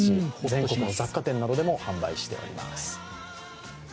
全国の雑貨店などでも販売しております。